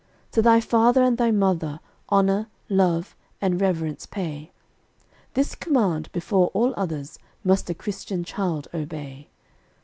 To thy father and thy mother Honor, love, and reverence pay; This command, before all other, Must a Christian child obey.